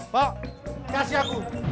pak kasih aku